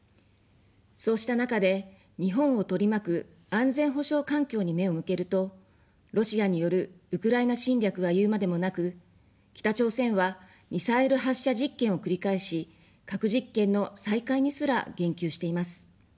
そうした中で、日本を取り巻く安全保障環境に目を向けると、ロシアによるウクライナ侵略は言うまでもなく、北朝鮮はミサイル発射実験を繰り返し、核実験の再開にすら言及しています。